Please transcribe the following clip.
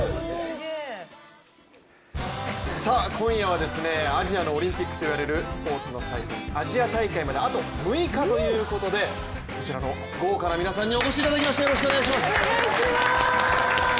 今夜はアジアのオリンピックといわれるスポーツの祭典、アジア大会まであと６日ということでこちらの豪華な皆さんにお越しいただきました、よろしくお願いします。